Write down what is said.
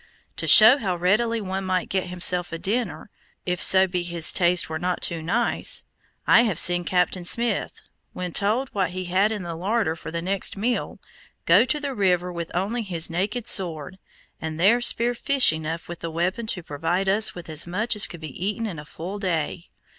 To show how readily one might get himself a dinner, if so be his taste were not too nice, I have seen Captain Smith, when told what we had in the larder for the next meal, go to the river with only his naked sword, and there spear fish enough with the weapon to provide us with as much as could be eaten in a full day.